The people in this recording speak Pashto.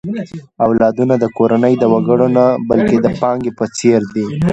اولادونه د کورنۍ د وګړو نه، بلکې د پانګې په څېر دي.